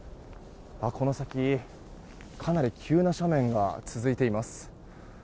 この先、かなり急な斜面が続いています。